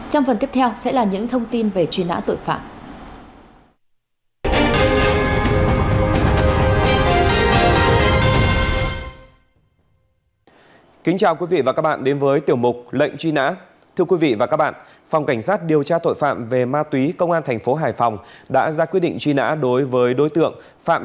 trong phần tiếp theo sẽ là những thông tin về truy nã tội phạm